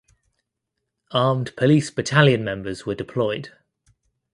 Armed Police Battalion members were deployed.